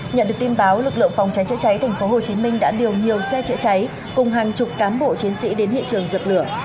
nhận được tin báo lực lượng phòng cháy chữa cháy tp hcm đã điều nhiều xe chữa cháy cùng hàng chục cán bộ chiến sĩ đến hiện trường dập lửa